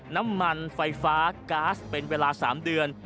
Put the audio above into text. น้ำมันไฟฟ้าก๊าซเป็นเวลา๓เดือน